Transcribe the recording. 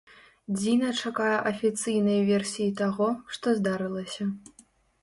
Дзіна чакае афіцыйнай версіі таго, што здарылася.